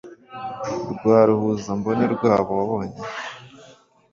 rwa ruhuzambone rwabo wabonye